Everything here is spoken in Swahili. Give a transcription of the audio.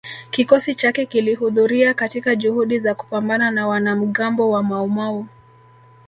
Kikosi chake kilihudhuria katika juhudi za kupambana na wanamgambo wa Maumau